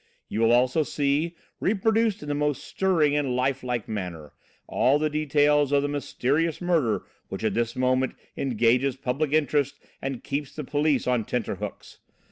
You will also see, reproduced in the most stirring and life like manner, all the details of the mysterious murder which at this moment engages public interest and keeps the police on tenter hooks.